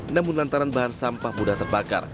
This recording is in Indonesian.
namun lantaran bahan sampah mudah terbakar